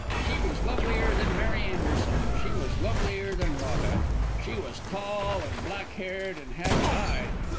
"She was lovelier than Mary Anderson; she was lovelier than Lotta. She was tall, an' black haired, and had a eye